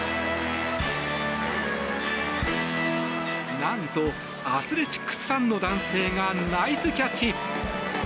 何と、アスレチックスファンの男性がナイスキャッチ！